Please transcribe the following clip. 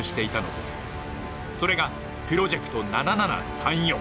それがプロジェクト７７３４。